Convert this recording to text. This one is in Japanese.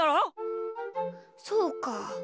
そうか。